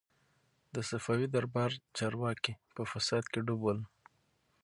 د صفوي دربار چارواکي په فساد کي ډوب ول.